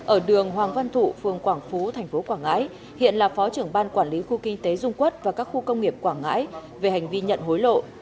ở đường hoàng văn thụ phường quảng phú tp quảng ngãi hiện là phó trưởng ban quản lý khu kinh tế dung quốc và các khu công nghiệp quảng ngãi về hành vi nhận hối lộ